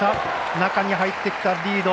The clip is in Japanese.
中に入ってきたリード